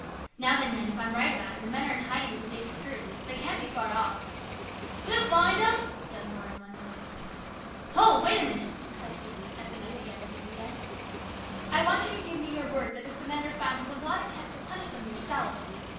" Now then, men, if I'm right about it, the men are in hiding with the Davis crew. They can't be far off." " We'll find 'em !" yelled more than one voice. 84 HIS BROTHER'S KEEPER. " Hold ! Wait a minute !" cried Stuart, as the men began to move again. " I want you to give me your word that if the men are found you will not attempt to punish them yourselves.